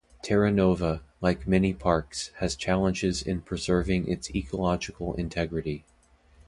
Terra Nova, like many parks, has challenges in preserving its ecological integrity.